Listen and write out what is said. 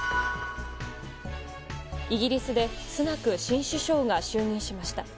イギリスでスナク新首相が就任しました。